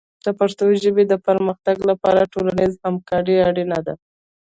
د پښتو ژبې د پرمختګ لپاره ټولنیز همکاري اړینه ده.